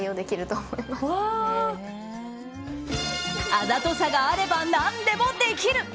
あざとさがあれば何でもできる。